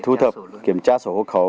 thu thập kiểm tra số hộ khẩu